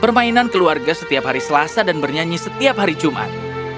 permainan keluarga setiap hari selasa dan bernyanyi setiap hari jumat